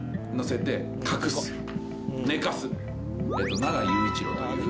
永井佑一郎という。